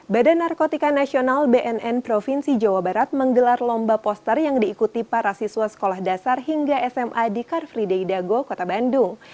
badan narkotika nasional bnn provinsi jawa barat menggelar lomba poster yang diikuti para siswa sekolah dasar hingga sma di car fridai dago kota bandung